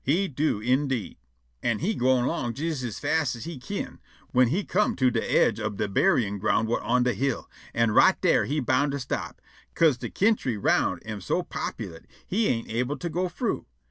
He do, indeed. An' he gwine along jes as fast as he kin, whin he come' to de aidge ob de buryin' ground whut on de hill, an' right dar he bound to stop, 'ca'se de kentry round about am so populate' he ain't able to go frough.